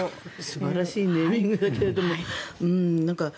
素晴らしいネーミングだけれども。